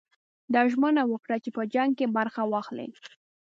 ده ژمنه وکړه چې په جنګ کې برخه واخلي.